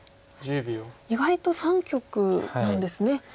意外と３局なんですね。